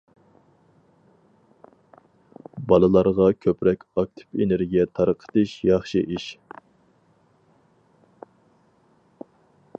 بالىلارغا كۆپرەك ئاكتىپ ئېنېرگىيە تارقىتىش ياخشى ئىش.